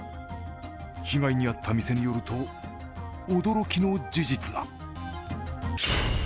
被害に遭った店によると、驚きの事実が。